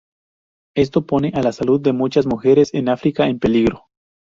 Esto pone a la salud de muchas mujeres en África en peligro.